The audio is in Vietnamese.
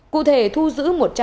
cụ thể thu giữ